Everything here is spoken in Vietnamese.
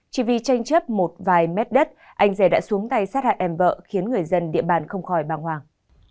chỉ vì tranh chấp một vài mét đất anh rẻ đã xuống tay sát hạt em vợ khiến người dân địa bàn không khỏi băng hoàng